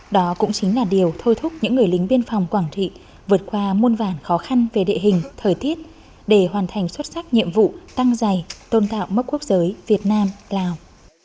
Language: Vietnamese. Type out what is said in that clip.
đó cũng chính là điều thôi thúc những người lính biên phòng quảng trị vượt qua muôn vàn khó khăn về địa hình thời tiết để hoàn thành xuất sắc nhiệm vụ tăng dày tôn tạo mốc quốc giới việt nam lào